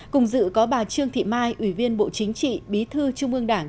cùng dự có bà trương thị mai ủy viên bộ chính trị bí thư trung ương đảng